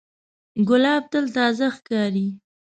ګلاب تل تازه ښکاري.